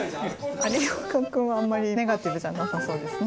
有岡君はあんまりネガティブじゃなさそうですね。